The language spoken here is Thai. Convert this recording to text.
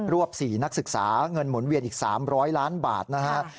วบ๔นักศึกษาเงินหมุนเวียนอีก๓๐๐ล้านบาทนะฮะ